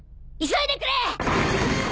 急いでくれ！